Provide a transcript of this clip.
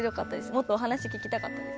もっとお話聞きたかったです。